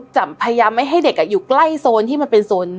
จะพยายามไม่ให้เด็กอยู่ใกล้โซนที่มันเป็นโซน